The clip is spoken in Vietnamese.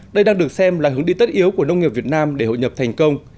đây đang được xem là hướng đi tất yếu của nông nghiệp việt nam để hội nhập thành công